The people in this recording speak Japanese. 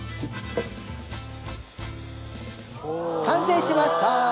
完成しました！